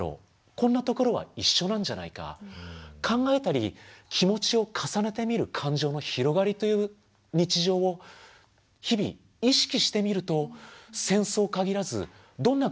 こんなところは一緒なんじゃないか考えたり気持ちを重ねてみる感情の広がりという日常を日々意識してみると戦争限らずどんな環境にも気持ちが広がっていく。